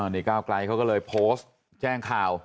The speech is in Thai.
นี่ก้าวไกลเขาก็เลยโพสต์แจ้งข่าว